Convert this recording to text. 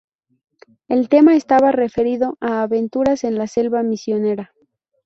El tema estaba referido a aventuras en la selva misionera.